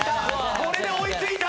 これで追いついた。